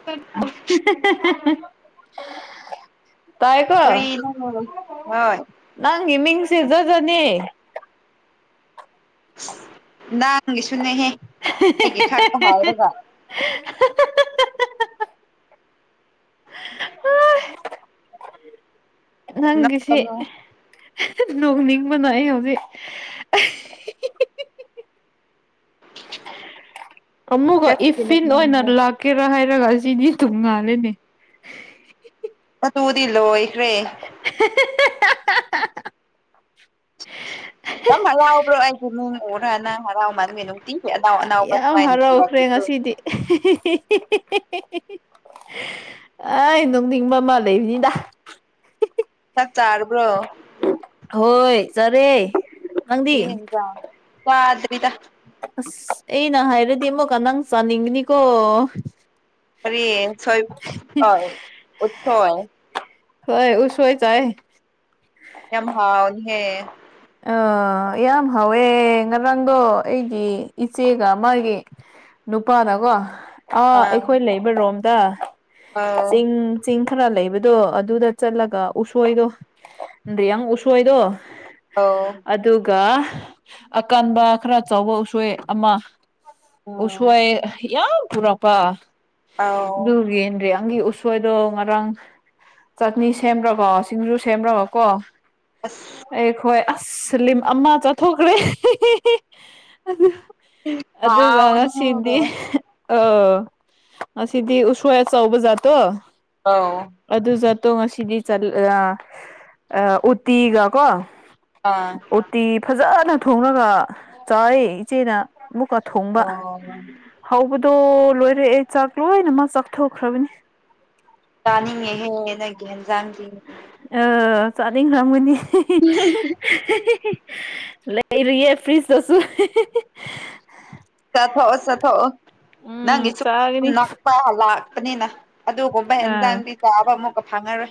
ꯍꯦꯍꯦ ꯍꯦ [unintelligible] ꯐꯔꯤ ꯍꯣꯏ [unintelligible] ꯅꯪꯒꯤ ꯃꯤꯡꯁꯦ ꯖꯨꯖꯨꯅꯤ [unintelligible] ꯅꯪꯒꯤꯁꯨꯅꯦꯍꯦ ꯑꯩꯒꯤ ꯈꯥꯛꯇ ꯍꯥꯏꯔꯒ [unintelligible] ꯅꯪꯒꯤꯁꯤ ꯅꯣꯛꯀꯅꯨ ꯅꯣꯡꯅꯤꯡꯕꯅ ꯑꯩ ꯍꯧꯖꯤꯛ ꯑꯃꯨꯛꯒ ꯀꯔꯤꯒꯤ ꯏꯐꯐꯤꯟ ꯑꯣꯏꯅ ꯅꯣꯛꯅꯤꯡꯕ꯭ꯔꯣ ꯂꯥꯛꯀꯦꯔꯥ ꯍꯥꯏꯔꯒ ꯑꯁꯤꯗꯤ ꯇꯣꯉꯜꯂꯦꯅꯦ ꯑꯗꯨꯗꯤ ꯂꫭꯏꯈꯔꯦ [unintelligible] ꯅꯝ ꯍꯂꯥꯎꯕ꯭ꯔꯣ ꯍꯥꯏꯅꯤ ꯑꯣꯔꯅ ꯍꯔꯥꯎ ꯃꯃꯤ ꯅꯇꯤ ꯌꯥꯝ ꯍꯔꯥꯎꯈ꯭ꯔꯦ ꯉꯁꯤꯗꯤ ꯑꯩ ꯅꯣꯡꯅꯤꯡ ꯑꯃꯥ ꯂꯩꯕꯅꯤꯗ ꯆꯥꯛ ꯆꯥꯔꯕ꯭ꯔꯣ ꯍꯣꯏ ꯆꯔꯦ ꯌꯦꯡꯅꯤꯡꯕꯌꫭ ꯆꯥꯗꯔꯤꯗ ꯑꯁ ꯑꯩꯅ ꯍꯥꯏꯔꯗꯤꯃꯣ ꯀꯅꯥꯪ ꯆ ꯅꯤꯡꯒꯅꯤ ꯀꯣ ꯀꯔꯤ ꯁꯣꯏ ꯑ ꯎꯁꯣꯏ ꯍꯣꯏ ꯎꯁꫭꯏ ꯆꯥꯏ ꯌꯥꯝ ꯍꯥꯎꯋꯤꯍꯦ ꯑꯥ ꯌꯥꯝ ꯍꯥꯎꯋꯦ ꯉꯔꯥꯡꯗꯣ ꯑꯩꯒꯤ ꯏꯆꯦꯒ ꯃꯥꯒꯤ ꯅꯨꯄꯥꯅꯀꯣ ꯑꯥ ꯑꯩꯈꯣꯏ ꯂꯩꯕ ꯔꯣꯝꯗ ꯑꯧ ꯆꯤꯡ ꯆꯤꯡ ꯈꯔ ꯂꯩꯕꯗꯣ ꯑꯗꯨꯗ ꯆꯠꯂꯒ ꯎꯁꯣꯏꯗꯣ ꯅꯌꯥꯪ ꯎꯁꯣꯏꯗꯣ ꯑꯣ ꯑꯗꯨꯒ ꯑꯀꯟꯕ ꯈꯔ ꯆꯥꯎꯕ ꯎꯁꯣꯏ ꯑꯃ ꯎꯝ ꯎꯁꯋꯥꯥꯏ ꯌꯥꯝ ꯄꯨꯔꯛꯄ ꯑꯧ ꯑꯗꯨꯒꯦꯟ꯭ꯔꯦ ꯑꯪꯒꯤ ꯎꯁ ꯑꯩꯣꯏꯗꯣ ꯉꯥꯡ ꯆꯠꯅꯤ ꯁꯦꯝꯕ꯭ꯔꯕꯣ ꯁꯤꯡꯖꯨ ꯁꯦꯝꯕ꯭ꯔꯕꯀꯣ꯫ ꯑꯁ ꯑꯩꯈꯣꯏ ꯑꯁꯂꯤꯝ ꯑꯃ ꯆꯠꯊꯣꯛꯈ꯭ꯔꯦ꯫ ꯑꯗꯨꯒ ꯍꯥꯎꯕꯅꯤꯍꯦ ꯉꯁꯤꯗꯤ꯫ ꯑ ꯑꯁꯤꯗꯤ ꯎꯁ꯭ꯆꯧꯕ ꯖꯥꯠꯇꯣ ꯑꯥꯎ ꯑꯗꯨ ꯆꯠꯇꯣ ꯉꯁꯤꯗꯤ ꯆꯂ ꯎꯇꯤꯒ ꯀꯣ ꯑꯥ ꯀꯨꯔꯇꯤ ꯐꯖꯅ ꯊꯣꯉꯒ ꯆꯥꯏ ꯏꯆꯦꯅ ꯑꯃꯨꯛꯀ ꯊꯣꯡꯕ ꯑꯣ ꯍꯧꯕꯗꯣ ꯂꯣꯏꯔꯦꯑꯦ ꯆꯥꯛ ꯂꯣꯏꯅꯃꯛ ꯆꯥꯛꯊꯣꯛꯈ꯭ꯔꯕꯅꯤ꯫ ꯇꯥꯅꯤꯡꯉꯦ ꯍꯦ ꯅꯒꯦꯟꯖꯥꯡꯗꯤ꯫ ꯑ ꯆꯥꯠꯅꯤꯡ ꯈꯝꯒꯅꯤ꯫ ꯂꯩꯥꯏꯔꯤꯌꯦ ꯐ꯭ꯔꯤꯖ ꯇꯁꯨ ꯆꯊꯑꯣ ꯆꯊꯑꯣ ꯎꯝ ꯅꯪꯒꯤꯁꯨ ꯆꯥꯒꯅꯤ ꯄꯥ ꯂꯥꯛꯄꯅꯤꯅ ꯑꯗꯨꯒꯨꯝꯕ ꯑꯥ ꯑꯦꯟꯖꯥꯡꯗꯤ ꯆꯥꯕ ꯑꯃꯨꯛꯀ ꯐꯥꯡꯉꯔꯣꯏ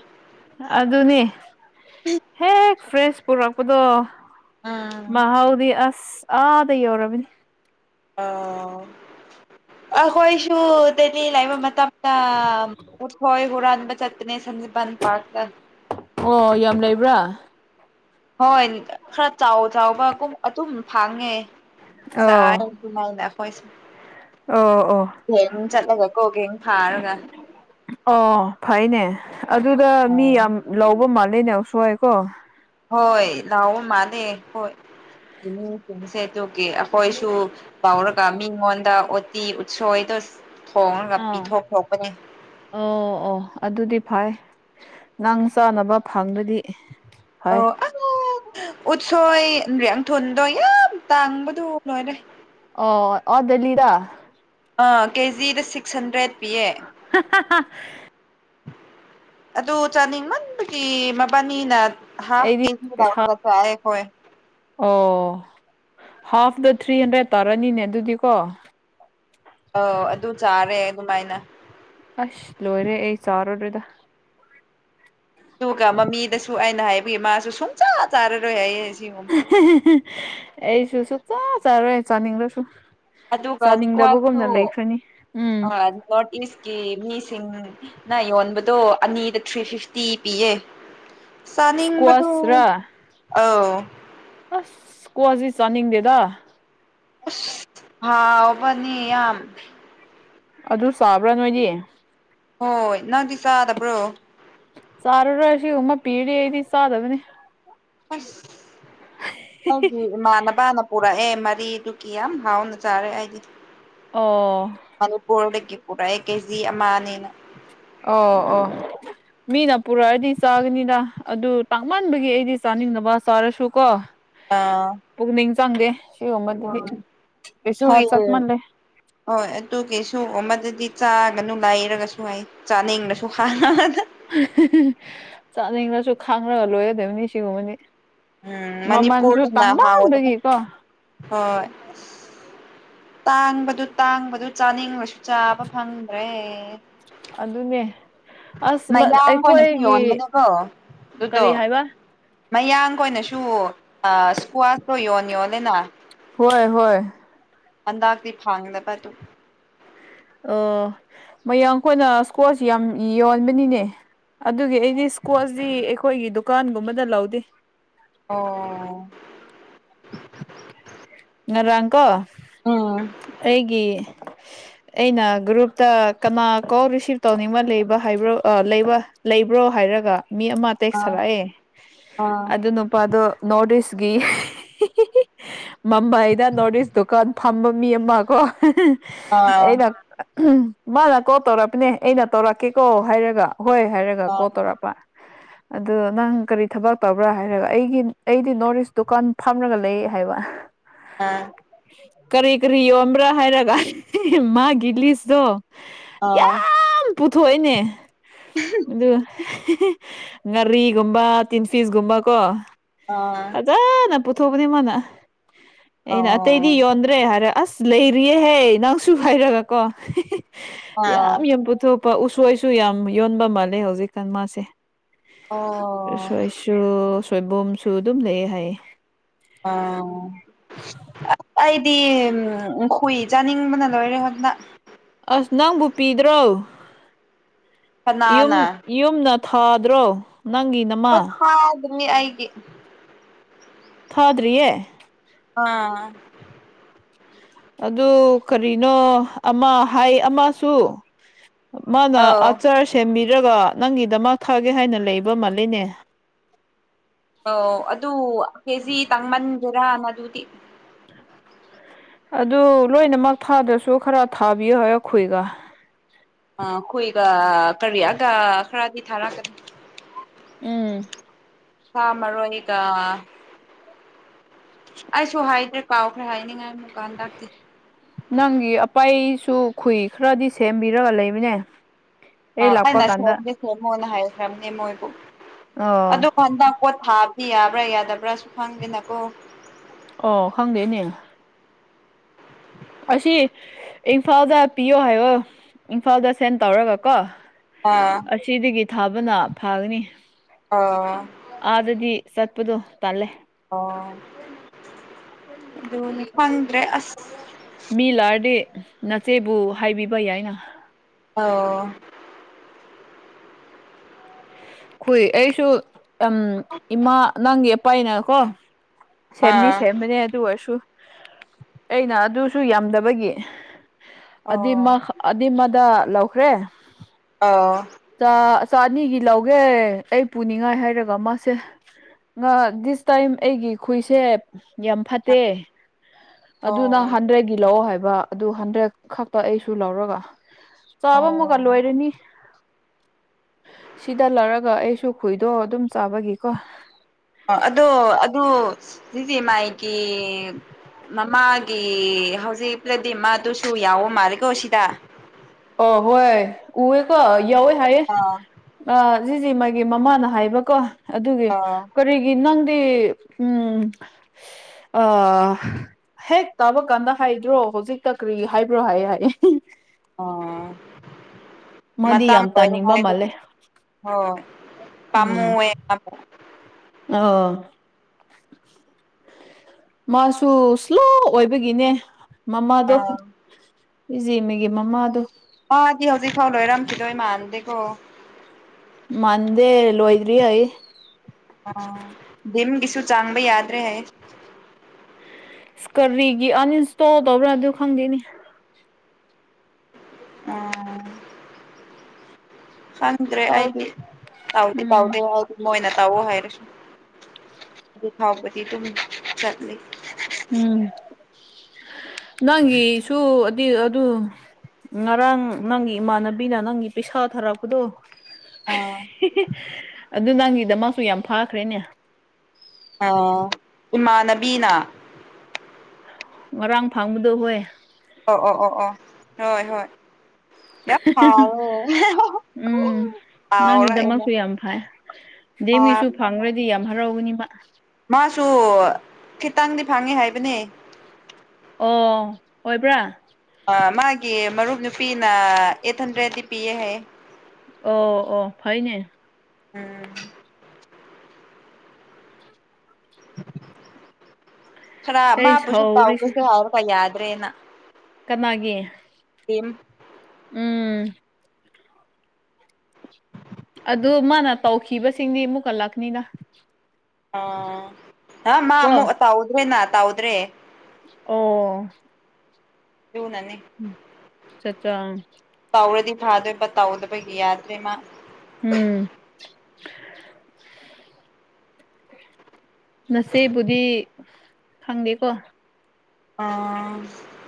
ꯑꯗꯨꯅꯦ ꯍꯦꯛ ꯐ꯭ꯔꯦꯁ ꯄꯨꯔꯛꯄꯗꯣ ꯎꯝ ꯃꯥ ꯍꯥꯎꯗꯤ ꯑꯁ ꯑꯥꯗꯩꯣ ꯔꯕꯤꯅꯤ꯫ ꯑꯣ ꯑꯩꯈꯣꯏꯁꯨ ꯗꯂꯜꯏ ꯂꯩꯕꯥ ꯃꯇꯝꯗ ꯎꯁꯣꯏ ꯍꯔꯅꯕ ꯆꯠꯇꯅꯦ ꯁꯅꯤꯕ ꯄꯥꯀꯇꯥ ꯑꯣ ꯌꯥꯝ ꯂꯩꯕ꯭ꯔꯥ ꯍꯣꯏ ꯈꯔ ꯆꯥꯎ ꯆꯥꯎꯕ ꯑꯗꯨꯝ ꯐꯥꯡꯉꯦ ꯑꯧ ꯆꯥꯏ꯫ ꯁꯨꯃꯥꯏꯅ ꯑꯩꯈꯣꯏꯁꯨꯦ ꯑꯣ ꯑꯣ ꯍꯦꯡ ꯆꯠꯂꯒ ꯀꯣꯒꯦꯡ ꯁꯥꯔꯒ ꯑꯣ ꯐꯩꯅꯦ ꯑꯗꯨꯗ ꯃꯤ ꯌꯥꯝ ꯂꯧꯕ ꯃꯥꯜꯂꯦꯅꯦ ꯎꯁꯣꯏꯀꯣ꯫ ꯍꯣꯏ ꯂꯥꯑꯣꯕ ꯃꯥꯜꯂꯦ ꯍꯣꯏꯁꯦ ꯇꯣꯛꯦ꯫ ꯑꯩꯣꯏꯁꯨ ꯐꯥꯎꯔꯒ ꯃꯤꯉꯣꯟꯗ ꯑꯣꯠꯇꯤ ꯎꯁꯣꯏꯗꯣ ꯊꯣꯡꯉꯒ ꯑꯥ ꯄꯤꯊꯣꯛ ꯊꯣꯛꯄꯅꯤ꯫ ꯑꯣ ꯑꯣ ꯑꯗꯨꯗꯤ ꯐꯩ ꯉꯥꯡ ꯆꯥꯅꯕ ꯐꯪꯗꯗꯤ ꯑꯣ ꯎꯠꯁꯣꯏ ꯌꯥꯡꯊꯜꯗꯣ ꯌꯥꯝ ꯇꯥꯡꯕꯗꯨꯣ ꯂꯣꯏꯔꯦ꯫ ꯑꯣ ꯑꯣ ꯗꯂꯗꯥ ꯑꯥ ꯀꯦꯖꯤꯗ ꯁꯤꯛꯁ ꯍꯟꯗ꯭ꯔꯦꯠ ꯄꯤꯌꯦ꯫ ꯑꯗꯨ ꯆꯥꯅꯤꯡꯃꯟꯕꯒꯤ ꯃꯕꯥꯅꯤꯅ ꯍꯥꯞ ꯑꯩꯗꯤ ꯀꯖꯤ ꯄꯩꯁꯥ ꯂꯥꯑꯣꯔꯒ ꯆꯔꯦ ꯑꯈꯣꯏ꯫ ꯑꯣ ꯍꯥꯐꯇ ꯊ꯭ꯔꯤ ꯍꯟꯗ꯭ꯔꯦꯠ ꯇꯥꯔꯅꯤꯅꯦ ꯑꯗꯨꯗꯤꯀꯣ꯫ ꯑꯣ ꯑꯗꯨ ꯆꯥꯔꯦ ꯑꯗꯨꯃꯥꯏꯅ ꯑꯁ ꯂꯣꯏꯔꯦ ꯑꯩ ꯆꯥꯔꯔꯣꯢꯗ ꯑꯗꯨꯒ ꯃꯃꯤꯗꯁꯨ ꯑꯩꯅ ꯍꯥꯏꯕꯒꯤ ꯃꯥꯁꯨ ꯁꯨꯡꯆꯥꯥ ꯆꯥꯔꯔꯣꯏ ꯍꯥꯏꯌꯦ ꯁꯤꯒꯨꯝ ꯑꯩꯁꯨ ꯁꯨꯡ ꯆꯥ ꯆꯥꯔꯣꯏ ꯆꯥꯅꯤꯡꯔꯁꯨ ꯑꯗꯨꯒ ꯆꯥꯅꯤꯡꯗꯕꯒꯨꯝꯅ ꯂꯩꯈ꯭ꯔꯅꯤ ꯎꯝ ꯋꯥꯠ ꯢꯁ ꯒꯦꯝ ꯃꯤꯁꯤꯡ ꯅ ꯌꯣꯟꯕꯗꯣ ꯑꯅꯤꯗ ꯊ꯭ꯔꯤ ꯐꯤꯐꯇꯤ ꯄꯤꯌꯦ꯫ ꯆꯅꯤꯡꯕꯗꯨ ꯏꯁꯀ꯭ꯋꯥꯁꯔꯥ ꯑꯧ ꯑꯁ ꯢꯁꯀ꯭ꯋꯥꯁ ꯇꯤ ꯆꯥꯅꯤꯡꯗꯦꯗ꯫ ꯑꯁ ꯍꯥꯎꯕꯅꯤ ꯌꯥꯝ ꯑꯗꯨ ꯆꯥꯕ꯭ꯔꯥ ꯅꯣꯏꯗꯤ꯫ ꯍꯣꯏ ꯅꯪꯗꯤ ꯆꯥꯗꯕ꯭ꯔꯣ ꯆꯥꯔꯔꯣꯏ ꯑꯁꯤ ꯒꯨꯝꯕ ꯄꯤꯔꯗꯤ ꯑꯩꯗꯤ ꯆꯥꯗꯕꯅꯤ꯫ ꯍꯩꯁ ꯑꯩꯒꯤ ꯏꯃꯥꯟꯅꯕꯅ ꯄꯨꯔꯛꯑꯦ ꯃꯔꯤꯗꯨꯒꯤ ꯌꯥꯝ ꯍꯥꯎꯅ ꯆꯥꯔꯦ ꯑꯩꯗꯤ ꯑꯣ ꯃꯅꯤꯄꯨꯔꯗꯒꯤ ꯄꯨꯔꯛꯑꯦ ꯀꯦꯖꯤ ꯑꯃꯅꯤꯅ ꯑꯣ ꯑꯣ ꯃꯤꯅ ꯄꯨꯔꯛꯑꯗꯤ ꯆꯥꯒꯅꯤꯅ ꯑꯗꯨ ꯇꯥꯡꯃꯟꯕꯒꯤ ꯑꯩꯗꯤ ꯆꯥꯅꯤꯡꯗꯕ ꯆꯥꯔꯁꯨ ꯀꯣ ꯑꯥ [unintelligible] ꯄꯨꯛꯅꯤꯡ ꯆꯪꯗꯦ ꯁꯤꯒꯨꯝꯕꯗꯨꯗꯤ ꯄꯩꯁꯥ ꯑꯗꯨꯒꯤ ꯆꯠꯃꯜꯂꯦ ꯍꯣꯏ ꯑꯗꯨꯒꯤꯁꯨ ꯑꯃꯗꯗꯤ ꯆꯥꯒꯅꯨ ꯂꯩꯔꯒꯁꯨ ꯍꯥꯏ ꯆꯥꯅꯤꯡꯅꯁꯨ [unintelligible] [unintelligible] ꯆꯥꯅꯤꯡꯉꯁꯨ ꯈꯥꯡꯉꯒ ꯂꯣꯏꯒꯗꯣꯏꯕꯅꯤ ꯁꯤꯒꯨꯝꯕꯗꯤ ꯎꯝ ꯃꯃꯜꯁꯨ ꯃꯅꯤꯄꯨꯔꯗꯅ ꯍꯥꯎꯗꯅ ꯇꯥꯡꯃꯟꯕꯒꯤꯀꯣ ꯍꯣꯏ ꯇꯥꯡꯕꯗꯨ ꯇꯥꯡꯕꯗꯨ ꯆꯥꯅꯤꯡꯂꯁꯨ ꯆꯥꯕ ꯐꯪꯗ꯭ꯔꯦ ꯑꯗꯨꯅꯦ ꯑꯁ ꯃꯌꯥꯡ ꯈꯣꯏꯅꯁꯤ ꯑꯩꯈꯣꯏꯒꯤ ꯌꯣꯟꯕꯅꯦꯀꯣ ꯑꯗꯨꯗꯣ ꯀꯔꯤ ꯍꯥꯏꯕ ꯃꯌꯥꯡ ꯈꯣꯏꯅꯁꯨ ꯏꯁ꯭ꯀ꯭ꯋꯥꯁꯇꯣ ꯌꯣꯟ ꯌꯣꯂꯦꯅ ꯍꯣꯏ ꯍꯣꯏ ꯍꯟꯗꯛꯗꯤ ꯐꯪꯗꯕ ꯇꯨ ꯑꯣ ꯃꯌꯥꯡ ꯈꯣꯏꯅ ꯏꯁꯀ꯭ꯋꯥꯁ ꯌꯥꯝ ꯌꯣꯟꯕꯅꯤꯅꯦ ꯑꯗꯨꯒꯤ ꯑꯩꯗꯤ ꯏꯁꯀ꯭ꯋꯥꯁꯗꯤ ꯑꯩꯈꯣꯏꯒꯤ ꯗꯨꯀꯥꯟꯒꯨꯝꯕꯗ ꯂꯧꯗꯦ ꯑꯣ ꯉꯔꯥꯡ ꯀꯣ ꯎꯝ ꯑꯩꯒꯤ ꯑꯩꯅ ꯒ꯭ꯔꯨꯞꯇ ꯀꯅꯥ ꯀꯣꯜ ꯔꯤꯁꯤꯞ ꯇꯧꯅꯤꯡꯕ ꯂꯩꯕ ꯍꯥꯏꯕ꯭ꯔꯣ ꯑ ꯂꯩꯕ ꯂꯩꯕ꯭ꯔꯣ ꯍꯥꯏꯔꯒ ꯃꯤ ꯑꯃ ꯑ ꯇꯦꯛꯁ ꯊꯥꯔꯛꯑꯦ ꯑ ꯑꯗꯨ ꯅꯨꯄꯥꯗꯣ ꯅꯣꯔꯠ ꯏꯁꯒꯤ ꯃꯝꯕꯥꯢꯗ ꯅꯣꯔꯠ ꯏꯁ ꯗꯨꯀꯥꯟ ꯐꯝꯕ ꯃꯤ ꯑꯃꯀꯣ ꯑ ꯑꯩꯅ ꯃꯥꯅ ꯀꯣꯜ ꯇꯧꯔꯛꯄꯅꯦ ꯑꯩꯅ ꯇꯧꯔꯛꯀꯦꯀꯣ ꯍꯥꯏꯔꯒ ꯍꯣꯏ ꯍꯥꯏꯔꯒ ꯀꯣꯜ ꯇꯧꯔꯛꯄ [inaudible] ꯑꯗꯨ ꯅꯪ ꯀꯔꯤ ꯊꯕꯛ ꯇꯧꯕ꯭ꯔꯥ ꯍꯥꯏꯔꯒ ꯑꯩꯒꯤ ꯑꯩꯗꯤ ꯅꯣꯔꯠ ꯏꯁ ꯗꯨꯀꯥꯟ ꯐꯝꯔꯒ ꯂꯩ ꯍꯥꯏꯕ ꯑꯥ ꯀꯔꯤ ꯀꯔꯤ ꯌꯣꯟꯕ꯭ꯔꯥ ꯍꯥꯏꯔꯒ ꯃꯥꯒꯤ ꯂꯤꯁꯇꯣ ꯑꯥ ꯌꯥꯝ ꯄꯨꯊꯣꯛꯏꯅꯦ ꯑꯗꯨꯒ ꯉꯥꯔꯤꯒꯨꯝꯕ ꯇꯤꯟꯐꯤꯁꯒꯨꯝꯕ ꯀꯣ ꯑꯥ [unintelligible] ꯄꯨꯊꯣꯛꯕꯅꯤ ꯃꯥꯅ ꯑꯩꯅ ꯑꯣ ꯑꯇꯩꯗꯤ ꯌꯣꯟꯗ꯭ꯔꯦ ꯍꯥꯏꯔꯦ ꯑꯁ ꯂꯩꯔꯤꯌꯦꯍꯦ ꯅꯪꯁꯨ ꯍꯥꯏꯔꯒ ꯀꯣ ꯑ ꯑ ꯌꯥꯝ ꯌꯥꯝ ꯄꯨꯊꯣꯛꯄ ꯎꯁꯣꯏꯁꯨ ꯌꯥꯝ ꯌꯣꯟꯕ ꯃꯥꯜꯂꯦ ꯍꯧꯖꯤꯛꯀꯥꯟ ꯃꯥꯁꯦ ꯑꯣ ꯎꯁꯣꯏꯁꯨ ꯁꯣꯏꯕꯨꯝꯁꯨ ꯑꯗꯨꯝ ꯂꯩ ꯍꯥꯏꯌꯦ [unintelligible] ꯇꯤꯝ ꯑꯈꯣꯏ ꯆꯥꯅꯤꯡꯕꯅ ꯂꯣꯏꯔꯦ [unintelligible] ꯑꯁ ꯅꯪꯕꯨ ꯄꯤꯗ꯭ꯔꯣ ꯌꯨꯝ ꯀꯅꯥꯅ ꯌꯨꯝꯅ ꯊꯥꯗ꯭ꯔꯣ ꯅꯪꯒꯤ ꯅꯞ ꯄꯣꯠ ꯊꯥꯎꯕꯅꯤ ꯑꯩꯒꯤ ꯊꯥꯗ꯭ꯔꯤꯌꯦ ꯑꯥ ꯑꯗꯨ ꯀꯔꯤꯅꯣ ꯑꯃ ꯍꯥꯏ ꯑꯃꯁꯨ ꯃꯥꯅ ꯑꯧ ꯑꯆꯥꯔ ꯁꯦꯝꯕꯤꯔꯒ ꯅꯪꯒꯤꯗꯃꯛ ꯊꯥꯒꯦ ꯍꯥꯏꯅ ꯂꯩꯕ ꯃꯥꯜꯂꯤꯅꯦ ꯑꯣ ꯑꯗꯨ ꯀꯦꯖꯤ ꯇꯥꯡꯃꯟꯒꯦꯔ ꯃꯗꯨꯗꯤ ꯑꯗꯨ ꯂꯣꯏꯅꯃꯛ ꯊꯥꯗ꯭ꯔꯁꯨ ꯈꯔ ꯊꯥꯕꯤꯌꯨ ꯍꯥꯏꯌꯨ ꯑꯈꯣꯏꯒ ꯑ ꯑꯩꯈꯣꯏꯒ ꯀꯔꯤꯌꯥꯒ ꯈꯔꯗꯤ ꯊꯥꯔꯛꯀꯅꯤ ꯎꯝ ꯁꯥ ꯃꯔꯣꯏꯒ ꯑꯩꯁꯨ ꯍꯥꯏꯗ꯭ꯔꯦ ꯀꯥꯎꯈ꯭ꯔꯦ ꯍꯥꯏꯅꯤꯡꯉꯥꯏ ꯃꯨꯛꯀꯥ ꯍꯟꯗꯛꯇꯤ ꯅꯪꯒꯤ ꯑꯄꯩꯏꯁꯨ ꯈꯨꯨꯏꯈꯔꯗꯤ ꯁꯦꯝꯕꯤꯔꯒ ꯂꯩꯕꯅꯦ ꯑ ꯑꯩ ꯂꯥꯛꯄ ꯑꯩꯅ ꯀꯥꯟꯗ ꯁꯦꯝꯗꯤ ꯁꯦꯃꯣꯅ ꯍꯥꯏꯈ꯭ꯔꯝꯅꯦ ꯃꯣꯏꯕꯨ ꯑꯥ ꯑꯗꯨ ꯍꯟꯗꯛ ꯄꯣꯠ ꯊꯥꯕꯗꯤ ꯌꯥꯕ꯭ꯔꯥ ꯌꯥꯗꯕ꯭ꯔꯥꯁꯨ ꯈꯪꯗꯦꯅꯀꯣ ꯑꯣ ꯈꯪꯗꯦꯅꯦ ꯑꯁꯤ ꯏꯝꯐꯥꯜꯗ ꯄꯤꯌꯣ ꯍꯥꯏꯌꯣ ꯏꯝꯐꯥꯜꯗ ꯁꯦꯟꯇ ꯇꯧꯔꯒ ꯀꯣ ꯑꯥ ꯑꯁꯤꯗꯒꯤ ꯊꯥꯕꯅ ꯐꯒꯅꯤ ꯑꯥ ꯑꯗꯗꯤ ꯆꯠꯄꯗꯣ ꯇꯜꯂꯦ ꯑꯣ ꯑꯗꯨꯅꯤ ꯈꯪꯗ꯭ꯔꯦ ꯑꯁ ꯃꯤ ꯂꯥꯔꯗꯤ ꯅꯆꯦꯕꯨ ꯍꯥꯏꯕꯤꯕ ꯌꯥꯏꯅ ꯑꯣ ꯈꯨꯏ ꯑꯩꯁꯨ ꯑꯝ ꯏꯃꯥ ꯅꯪꯒꯤ ꯑꯄꯩꯅꯀꯣ ꯁꯦꯝꯗꯤ ꯑꯥ ꯁꯦꯝꯕꯅꯤ ꯑꯗꯨ ꯑꯣꯏꯔꯁꯨ ꯑꯩꯅ ꯑꯗꯨꯁꯨ ꯌꯥꯝꯗꯕꯒꯤ ꯑꯣ ꯑꯗꯤꯃꯈ ꯑꯗꯤꯃꯗ ꯂꯧꯈ꯭ꯔꯦ ꯑꯧ ꯆꯥ ꯆꯥꯅꯤꯒꯤ ꯂꯧꯒꯦ ꯑꯩ ꯄꯨꯅꯤꯡꯉꯥꯏ ꯍꯥꯏꯔꯒ ꯃꯥꯁꯦ ꯉꯥ ꯗꯤꯁ ꯇꯥꯏꯝ ꯑꯩꯒꯤ ꯈꯨꯏꯁꯦ ꯌꯥꯝ ꯐꯠꯇꯦ ꯑꯗꯨ ꯑꯣ ꯅꯪ ꯍꯟꯗ꯭ꯔꯦꯠꯒꯤ ꯂꯧꯑꯣ ꯍꯥꯏꯕ ꯑꯗꯨ ꯍꯟꯗ꯭ꯔꯦꯗ ꯈꯛꯇ ꯑꯩꯁꯨ ꯂꯧꯔꯒ ꯆꯥꯕ ꯑꯃꯒ ꯑꯣ ꯂꯣꯏꯔꯅꯤ ꯁꯤꯗ ꯂꯧꯔꯒ ꯑꯩꯁꯨ ꯈꯣꯏꯗꯣ ꯑꯗꯨꯝ ꯆꯥꯕꯒꯤꯀꯣ ꯑꯣ ꯑꯗꯣ ꯑꯗꯨ ꯁꯤꯁꯦ ꯃꯥꯥꯏꯒꯤ ꯃꯃꯥꯒꯤ ꯍꯧꯖꯤꯛ ꯄ꯭ꯂꯗꯤ ꯃꯗꯨꯁꯨ ꯌꯥꯎꯕ ꯃꯥꯜꯂꯦꯀꯣ ꯁꯤꯗ ꯑꯣ ꯍꯣꯏ ꯎꯌꯦꯀꯣ ꯌꯥꯎꯏ ꯍꯥꯏꯌꯦ ꯑꯥ ꯑ ꯁꯤꯁꯤ ꯃꯥꯒꯤ ꯃꯃꯥꯅ ꯍꯥꯏꯕꯀꯣ ꯑꯗꯨꯒꯤ ꯑꯥ ꯀꯔꯤ ꯏ ꯅꯪꯗꯤ ꯎꯝ ꯑ ꯍꯦꯛ ꯇꯥꯕ ꯀꯥꯟꯗ ꯍꯥꯏꯗ꯭ꯔꯣ ꯍꯧꯖꯤꯛꯇ ꯀ꯭ꯔꯤ ꯍꯥꯏꯕ꯭ꯔꯣ ꯍꯥꯏꯌꯦ ꯍꯥꯏꯌꯦ ꯑꯣ ꯃꯥꯗꯤ ꯃꯇꯝ ꯌꯥꯝ ꯑꯣꯏ ꯇꯥꯅꯤꯡꯕ ꯍꯥꯏꯕꯒꯤ ꯃꯥꯜꯂꯦ ꯍꯣꯏ ꯄꯥꯝꯃꯨꯑꯦ ꯄꯥꯝꯃꯨ ꯑꯣ ꯃꯥꯁꯨ ꯁ꯭ꯂꯣ ꯑꯣꯏꯕꯒꯤꯅꯦ ꯃꯃꯥꯗꯣ ꯑꯥ ꯏꯆꯦꯃꯤꯒꯤ ꯃꯃꯥꯗꯣ ꯑꯥꯗꯤ ꯍꯧꯖꯤꯛ ꯐꯥꯎ ꯂꯣꯏꯔꯝꯈꯤꯗꯣꯏ ꯏꯃꯥꯟꯗꯦꯀꯣ ꯃꯗꯦ ꯂ ꯍꯣꯏꯗ꯭ꯔꯤ ꯑꯩ ꯑꯥ ꯗꯤꯝꯒꯤꯁꯨ ꯆꯥꯡꯕ ꯌꯥꯗ꯭ꯔꯦ ꯍꯥꯏ ꯏꯁꯀꯔꯤꯒꯤ ꯑꯟꯏꯟꯁꯇꯣꯜ ꯇꯧꯕ꯭ꯔꯥ ꯑꯗꯨ ꯈꯪꯗꯦꯅꯦ ꯑꯥ ꯍꯗ꯭ꯔꯦ ꯇꯧ ꯍꯥꯏꯥꯏꯗꯤ ꯇꯥꯎꯗꯤ ꯎꯝ ꯇꯥꯎꯗꯦ ꯃꯣꯏꯅ ꯇꯧꯑꯣ ꯍꯥꯏꯔꯁꯨ ꯑꯗꯨ ꯐꯥꯎꯕꯗꯤ ꯑꯗꯨꯝ ꯆꯠꯂꯤ ꯎꯝ ꯅꯪꯒꯤꯁꯨ ꯑꯗꯨꯗꯤ ꯑꯗꯨ ꯉꯔꯥꯡ ꯅꯪꯒꯤ ꯏꯃꯥꯟꯅꯕꯤꯅ ꯅꯪꯒꯤ ꯄꯩꯁꯥ ꯊꯥꯔꯛꯄꯗꯣ ꯑꯥ ꯑꯗꯨ ꯅꯪꯒꯤꯗ ꯃꯥꯁꯨ ꯌꯥꯝ ꯐꯥꯈ꯭ꯔꯦꯅꯦ ꯏꯃꯥꯟꯅꯕꯤꯅ ꯉꯥꯡ ꯐꯥꯡꯕꯗꯣ ꯍꯣꯏ ꯑꯣ ꯑꯣ ꯑꯣ ꯑꯣ ꯍꯣꯏ ꯍꯣꯏ ꯌꯥ ꯍꯥꯎ ꯎꯝ ꯀꯥꯎꯔꯦ ꯑꯩꯁꯦ ꯅꯪꯒꯤꯗꯃꯛꯁꯨ ꯌꯥꯝ ꯐꯩ ꯗꯦꯝꯒꯤꯁꯨ ꯐꯪꯈ꯭ꯔꯗꯤ ꯌꯥꯝ ꯍꯔꯥꯎꯕꯅꯤ ꯃꯥ ꯃꯥꯁꯨ ꯈꯤꯇꯪꯗꯤ ꯐꯪꯉꯦ ꯍꯥꯏꯕꯅꯤ ꯑꯣ ꯍꯣꯏꯕ꯭ꯔꯥ ꯑ ꯃꯥꯒꯤ ꯃꯔꯨꯞ ꯅꯨꯄꯤꯅ ꯑꯩꯠ ꯍꯟꯗ꯭ꯔꯦꯇꯗꯤ ꯄꯤꯌꯦ ꯍꯥꯏꯌꯦ ꯑꯣ ꯑꯣ ꯐꯥꯏꯅꯦ ꯎꯝ [unintelligible] ꯈꯔ ꯑꯩ ꯃꯥꯕꯨꯁꯨ ꯁꯥꯎꯔꯤꯁꯦ ꯇꯥꯎꯒꯁꯦ ꯍꯥꯏꯔ ꯐ ꯌꯥꯗ꯭ꯔꯦꯅ ꯀꯅꯥꯒꯤ ꯏꯦꯝ [inaudible] ꯎꯝ ꯑꯗꯨ ꯃꯥꯅ ꯇꯧꯈꯤꯕꯁꯤꯡꯗꯤ ꯑꯃꯨꯛ ꯀꯜꯂꯛꯅꯤꯅ ꯑ ꯃꯥ ꯑꯃꯨꯛ ꯀꯣ ꯇꯥꯎꯗ꯭ꯔꯦꯅ ꯇꯥꯎꯗ꯭ꯔꯦ ꯑꯣ ꯑꯗꯨꯅꯅꯦ ꯎ ꯆꯆꯥ [inaudible] ꯇꯥꯎꯔꯗꯤ ꯐꯥꯗꯣꯏꯕ ꯇꯥꯎꯗꯕ ꯌꯥꯗ꯭ꯔꯦ ꯃꯥ ꯎꯝ ꯅꯁꯦꯕꯨꯗꯤ ꯈꯪꯗꯦꯀꯣ ꯑ [inaudible] [unintelligible]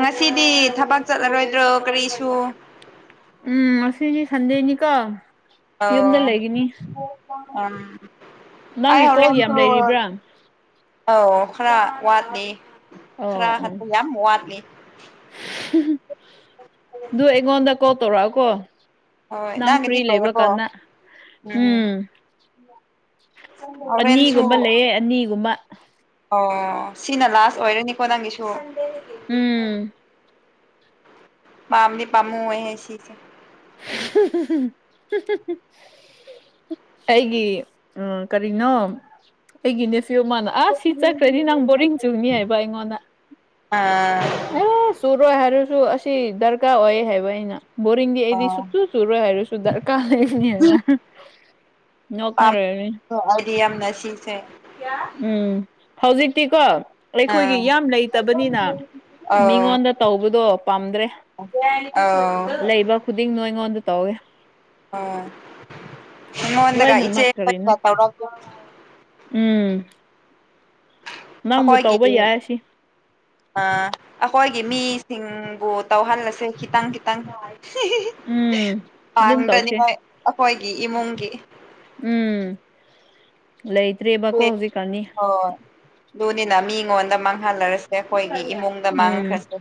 ꯉꯁꯤꯗꯤ ꯊꯕꯛ ꯆꯠꯂꯔꯣꯏꯗ꯭ꯔꯣ ꯀꯔꯤꯁꯨ ꯎꯝ ꯑꯁꯤ ꯑꯁꯤꯅꯤ ꯁꯟꯗꯦꯅꯤ ꯀꯣ ꯑꯣ ꯎ [inaudible] ꯑ ꯅꯪꯒꯤ ꯀꯣꯜ ꯌꯥꯝ ꯍꯧꯔꯁꯨ ꯂꯩꯔꯤꯕ꯭ꯔꯥ [inaudible] ꯑ ꯈꯔ ꯋꯥꯠꯂꯤ ꯑꯣ ꯈꯔ ꯑꯣ ꯈ ꯌꯥꯝ ꯋꯥꯠꯂꯤ ꯑꯗꯨ ꯑꯩꯉꯣꯟꯗ ꯀꯣꯜ ꯇꯧꯔꯛꯑꯣ ꯀꯣ ꯍꯣꯏ ꯅꯪ ꯐ꯭ꯔꯤ ꯅꯪꯒꯤꯗꯤ ꯂꯩ ꯂꯣꯏꯔꯕꯣ ꯂꯩꯕꯅ ꯎꯝ ꯏ [unintelligible] ꯑꯅꯤꯒꯨꯝꯕ ꯂꯩꯌꯦ ꯑꯅꯤꯒꯨꯝꯕ ꯑꯣ ꯁꯤꯅ ꯂꯥꯁ ꯑꯣꯏꯔꯅꯤꯀꯣ ꯅꯪꯒꯤꯁꯨ ꯎꯝ ꯃꯥꯝꯗꯤ ꯄꯥꯃꯨ ꯑꯣꯏꯍꯦ ꯁꯤꯁꯦ [inaudible] ꯑꯩꯒꯤ ꯀꯔꯤꯅꯣ ꯑꯩꯒꯤ ꯅꯦꯐꯤꯌꯣ ꯃꯥꯅ ꯑꯁ ꯁꯤ ꯆꯠꯈ꯭ꯔꯗꯤ ꯅꯪ ꯕꯣꯔꯤꯡ ꯆꯨꯅꯤ ꯍꯥꯏꯕ ꯑꯩꯉꯣꯟꯗ ꯑꯥ ꯑꯦ ꯆꯨꯔꯣꯏ ꯍꯥꯏꯔꯁꯨ ꯑꯁꯤ ꯗꯔꯀꯥꯔ ꯑꯣꯏ ꯍꯥꯏꯕ ꯑꯩꯅ ꯕꯣꯔꯤꯡꯗꯤ ꯑꯩꯗꯤ ꯁꯨ ꯑꯥ ꯇꯨ ꯇꯨꯔꯣꯏ ꯍꯥꯏꯔꯁꯨꯗꯔ ꯀꯥ ꯂꯩꯅꯤ ꯍꯥꯏꯅ ꯅꯔꯦꯅꯤ ꯑ ꯑꯩꯗꯤ ꯌꯥꯝꯅ ꯁꯤꯁꯦ ꯎꯝ ꯍꯧꯖꯤꯛꯇꯛꯇꯤ ꯀꯣ ꯑꯩꯈꯣꯏꯒꯤ ꯑꯥ ꯌꯥꯝ ꯂꯩꯇꯕꯅꯤꯅ ꯃꯤꯉꯣꯟꯗ ꯇꯧꯕꯗꯣ ꯄꯥꯝꯗ꯭ꯔꯦ ꯑꯣ ꯂꯩꯕ ꯈꯨꯗꯤꯡ ꯅꯣ ꯑꯩꯉꯣꯟꯗ ꯇꯧꯋꯦ ꯑꯣ ꯂꯣꯏꯅꯃꯛ ꯑꯩꯉꯣꯡꯗꯒ ꯀꯔꯤꯅꯣ ꯏꯆꯦ ꯎꯝ ꯅꯪꯕꯨ ꯑꯩꯈꯣꯏꯒꯤ ꯇꯧꯕ ꯌꯥꯏ ꯁꯤ ꯑꯥ ꯑꯩꯈꯣꯏꯒꯤ ꯃꯤꯁꯤꯡꯕꯨ ꯇꯧꯍꯜꯂꯁꯦ ꯈꯤꯇꯪ ꯈꯤꯇꯪ ꯍꯥꯏ ꯎꯝ ꯑꯗꯨꯝ ꯇꯧꯁꯦ ꯄꯥꯡꯗꯅꯤꯉꯥꯏ ꯑꯩꯈꯣꯏꯒꯤ ꯏꯃꯨꯡꯒꯤ ꯎꯝ ꯂꯩꯇ꯭ꯔꯤꯕ ꯍꯥ ꯍꯣꯏ ꯑꯗꯨꯅꯤꯅ ꯃꯤꯉꯣꯟꯗ ꯃꯥꯡꯍꯜꯂꯔꯁꯦ ꯑꯩꯈꯣꯏꯒꯤ ꯏꯃꯨꯡ ꯗ ꯃꯥꯡ ꯎꯝ ꯈꯔꯁꯨ